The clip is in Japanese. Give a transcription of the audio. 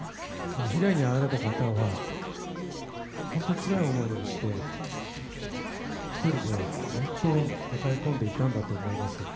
被害に遭われた方は本当につらい思いをして１人でずっと抱え込んでいたんだと思います。